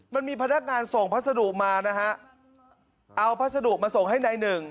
มันมีพนักงานส่งภาษาโดรกมานะฮะเอาภาษาโดรกมาส่งให้นายหนึ่ง